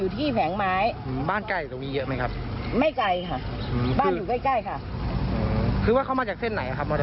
ตรงจากบ้านนาคือศรีกะอาล